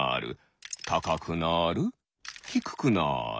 たかくなるひくくなる。